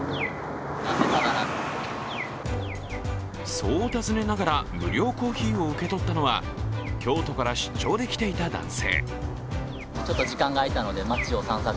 そう尋ねながら無料コーヒーを受け取ったのは京都から出張で来ていた男性。